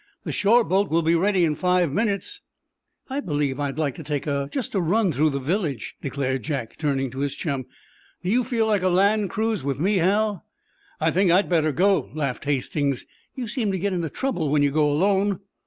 "The shore boat will be ready in five minutes." "I believe I would like to take just a run through the village," declared Jack, turning to his chum. "Do you feel like a land cruise with me, Hal?" "I think I'd better go," laughed Hastings. "You seem to get into trouble when you go alone."